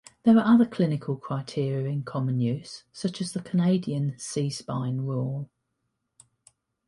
There are other clinical criteria in common use, such as the Canadian C-spine rule.